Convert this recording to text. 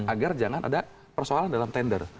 agar jangan ada persoalan dalam tender